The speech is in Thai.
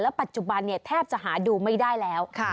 แล้วปัจจุบันเนี่ยแทบจะหาดูไม่ได้แล้ว